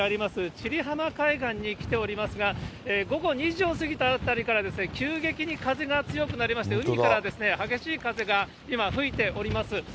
千里浜海岸に来ていますが、来ておりますが、午後２時を過ぎたあたりから、急激に風が強くなりまして、海から、激しい風が今、吹いております。